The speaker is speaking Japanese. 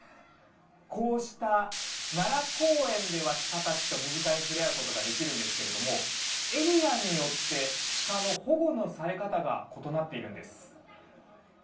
こうした奈良公園ではシカたちと身近に触れ合うことができるんですけどもエリアによって、シカの保護のされ方が異なっているんです。